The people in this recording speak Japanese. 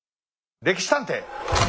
「歴史探偵」！